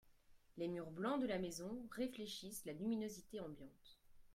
Les murs blancs de la maison réfléchissent la luminosité ambiante